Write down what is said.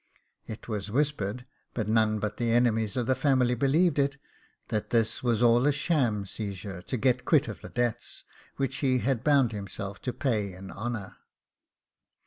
It was whispered (but none but the enemies of the family believe it) that this was all a sham seizure to get quit of the debts which he had bound himself to pay in honour.